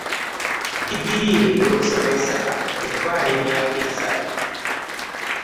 Digiri yobussomessa etwala emyaka esatu.